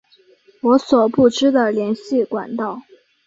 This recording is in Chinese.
我所不知的联系管道